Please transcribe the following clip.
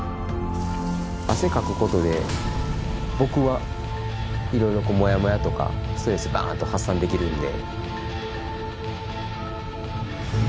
汗かくことで僕はいろいろこうもやもやとかストレスバーンと発散できるんで。